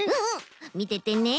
みててね。